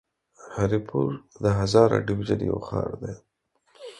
هري پور د هزاره ډويژن يو ښار دی.